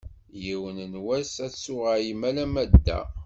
Yiwen n wass ad d-tuɣalem alamma d da.